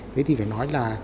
thế thì phải nói là